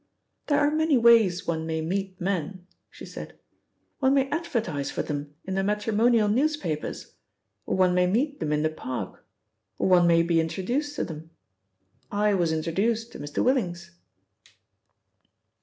"There are many ways one may meet men," she said. "One may advertise for them in the matrimonial newspapers, or one may meet them in the park, or one may be introduced to them. I was introduced to Mr. Willings."